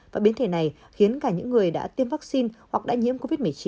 và biến thể này khiến cả những người đã tiêm vaccine hoặc đã nhiễm covid một mươi chín